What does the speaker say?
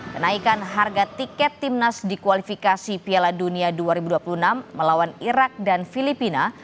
kenaikan harga tiket timnas di kualifikasi piala dunia dua ribu dua puluh enam melawan irak dan filipina